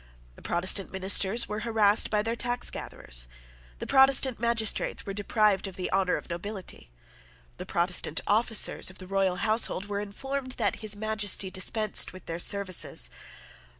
The Protestant ministers were harassed by the tax gatherers. The Protestant magistrates were deprived of the honour of nobility. The Protestant officers of the royal household were informed that His Majesty dispensed with their services.